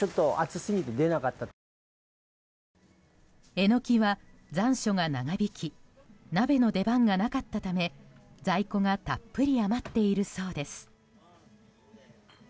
エノキは残暑が長引き鍋の出番がなかったため在庫がたっぷり余っているそうです。